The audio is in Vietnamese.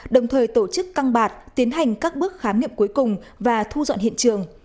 đồng thời tổ chức căng bạt tiến hành các bước khám nghiệm cuối cùng và thu dọn hiện trường